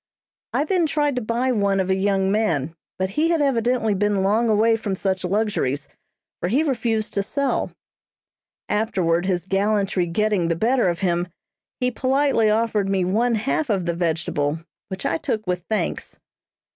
I then tried to buy one of a young man, but he had evidently been long away from such luxuries, for he refused to sell; afterward, his gallantry getting the better of him, he politely offered me one half of the vegetable, which I took with thanks.